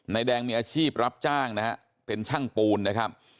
นายแดงมีอาชีพรับจ้างนะฮะเป็นช่างปูนนะครับ